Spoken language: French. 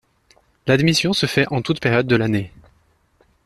L’admission se fait en toute période de l'année.